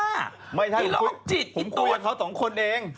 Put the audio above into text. หยิงโลกจิตกี่ต้นสันแล้วแน่ไม่ใช่ผมคุยกับเขา๒คนเอง